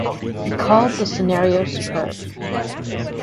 He called the scenario superb.